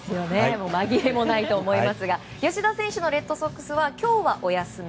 紛れもないと思いますが吉田選手のレッドソックスは今日はお休み。